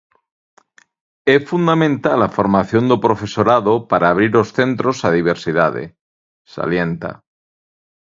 "É fundamental a formación do profesorado para abrir os centros á diversidade", salienta.